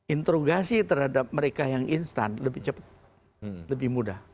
interogasi terhadap mereka yang instan lebih cepat lebih mudah